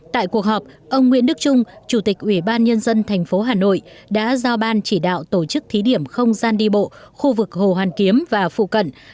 tại cuộc họp ông nguyễn đức trung chủ tịch ủy ban nhân dân thành phố hà nội đã giao ban chỉ đạo tổ chức thí điểm không gian đi bộ khu vực hồ hoàn kiếm và phụ cận